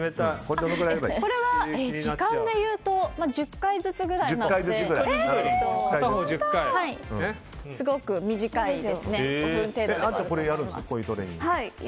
これは時間でいうと１０回ずつくらいですごく短いですね。